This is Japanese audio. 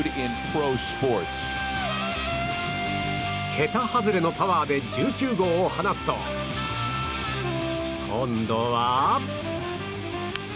けた外れのパワーで１９号を放つと今度は。